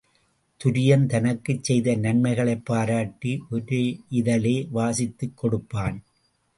துரியன் தனக்குச் செய்த நன்மைகளைப் பாராட்டி ஒரு இதழே வாசித்துக் கொடுப்பான்.